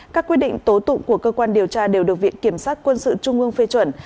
các quyết định tố tụng của cơ quan điều tra đều được viện kiểm sát quân sự trung ương phê chuẩn